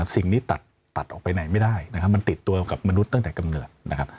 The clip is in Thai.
สิ่งนี้ตัดออกไปไหนไม่ได้นะครับมันติดตัวกับมนุษย์ตั้งแต่กำเนิดนะครับ